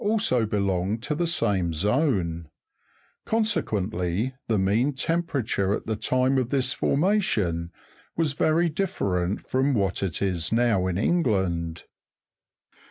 also belonged to the same zone ; consequently the mean temperature at the time of this formation was very different from what it is now in England.